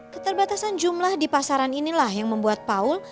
keterbatasan jumlah di pasaran inilah yang membuat paul